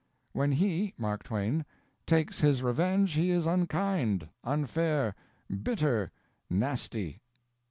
"When he" (Mark Twain) "takes his revenge he is unkind, unfair, bitter, nasty."